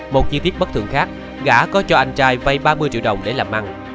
một chi tiết bất thường khác gã có cho anh trai vay ba mươi triệu đồng để làm ăn